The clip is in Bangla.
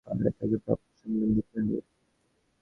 যে এই ভানের ওপরে উঠে আসতে পারে, তাকে তার প্রাপ্য সম্মান দিতে হয়।